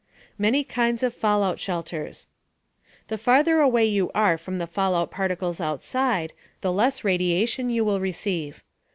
MANY KINDS OF FALLOUT SHELTERS The farther away you are from the fallout particles outside, the less radiation you will receive.